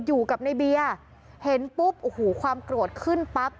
อยู่กับในเบียเห็นปุ๊บอูหูความโกรธขึ้นปั๊บ